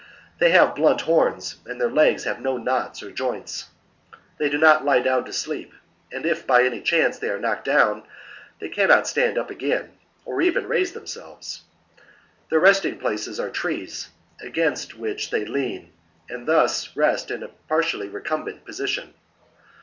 They have blunt horns, and their legs have no knots or joints.^ They do not lie down to sleep ; and if by any chance they are knocked down, they cannot stand up again, or even raise themselves. Their resting places are trees, against which they lean, and thus rest in a partially recumbent position.